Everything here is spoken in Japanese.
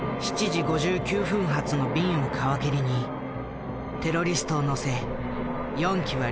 ７時５９分発の便を皮切りにテロリストを乗せ４機は離陸した。